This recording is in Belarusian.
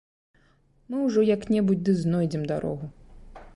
- Мы ўжо як-небудзь ды знойдзем дарогу